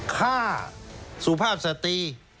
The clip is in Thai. ฆ่าสุภาพสตรี